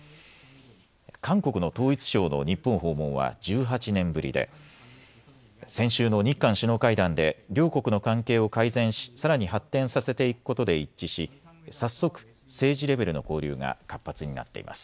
韓国の統一相の日本訪問は１８年ぶりで先週の日韓首脳会談で両国の関係を改善しさらに発展させていくことで一致し早速、政治レベルの交流が活発になっています。